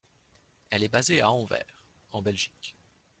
Elle est basée à Anvers, en Belgique.